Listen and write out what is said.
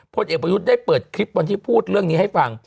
พลเอกประยุทธ์ได้เปิดคลิปวันที่พูดเรื่องนี้ให้ฟัง